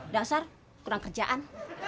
dasar kurang kerjaan